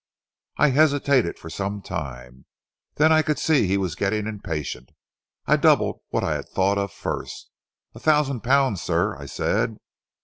I hesitated for some time. Then I could see he was getting impatient. I doubled what I had thought of first. 'A thousand pounds, sir,' I said.